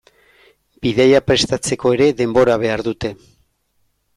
Bidaia prestatzeko ere denbora behar dute.